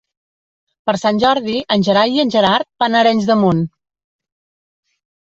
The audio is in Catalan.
Per Sant Jordi en Gerai i en Gerard van a Arenys de Munt.